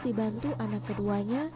dibantu anak keduanya